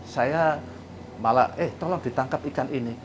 saya malah eh tolong ditangkap ikan ini